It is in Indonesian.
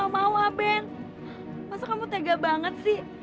masa kamu tega banget sih